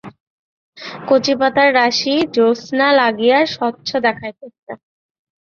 কচি পাতার রাশি জ্যোৎস্না লাগিয়া স্বচ্ছ দেখাইতেছে।